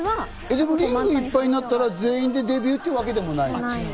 リングいっぱいになったら全員デビューってわけでもない。